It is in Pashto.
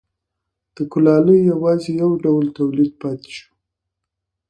د کولالۍ یوازې یو ډول تولید پاتې شو